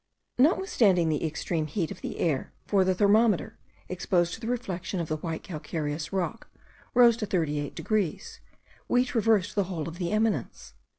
Notwithstanding the extreme heat of the air, for the thermometer, exposed to the reflection of the white calcareous rock, rose to 38 degrees, we traversed the whole of the eminence.